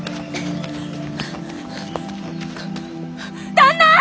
旦那！